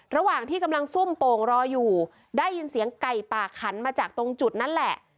ระหว่างที่กำลังซุ่มโป่งรออยู่ได้ยินเสียงไก่ป่าขันมาจากตรงจุดนั้นแหละ